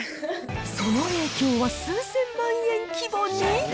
その影響は数千万円規模に？